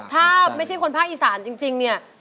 ถ้าไม่ใช่คนภาคอีสานจริงเนี่ย